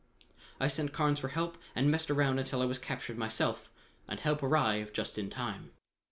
I sent Carnes for help and messed around until I was captured myself and help arrived just in time.